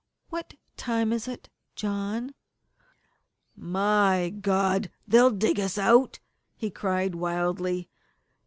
What time is it, John?" "My God they'll dig us out!" he cried wildly.